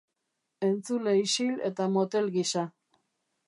Entzule isil eta motel gisa.